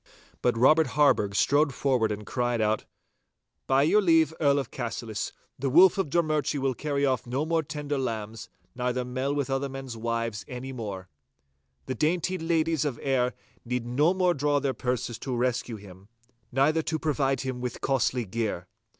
But Robert Harburgh strode forward and cried out, 'By your leave, Earl of Cassillis, the Wolf of Drummurchie will carry off no more tender lambs, neither mell with other men's wives any more. The dainty ladies of Ayr need no more draw their purses to rescue him, neither to provide him with costly gear.